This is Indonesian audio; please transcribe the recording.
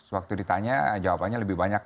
waktu ditanya jawabannya lebih banyak